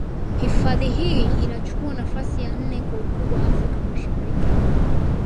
Hifadhi hii inachuku nafasi ya nne kwa ukubwa Afrika Mashariki